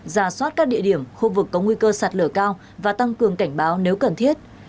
giả soát các địa điểm khu vực có nguy cơ sạt lửa cao và tăng cường cảnh báo nếu cần thiết